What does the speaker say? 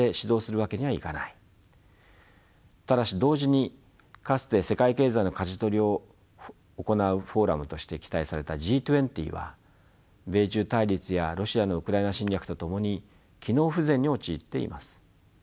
ただし同時にかつて世界経済のかじ取りを行うフォーラムとして期待されたＧ２０は米中対立やロシアのウクライナ侵略とともに機能不全に陥っています。